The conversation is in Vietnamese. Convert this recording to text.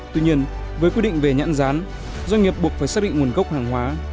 tuy nhiên với quy định về nhãn rán doanh nghiệp buộc phải xác định nguồn gốc hàng hóa